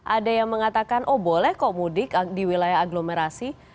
ada yang mengatakan oh boleh kok mudik di wilayah aglomerasi